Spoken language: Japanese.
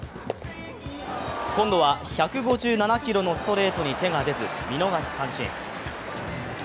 今度は１５７キロのストレートに手が出ず、見逃し三振。